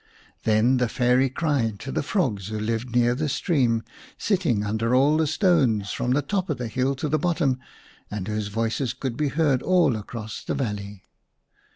Then the Fairy cried to the frogs who lived near the stream, sitting under all the stones from the top of the hill to the bottom, and whose voices could be heard all across the valley.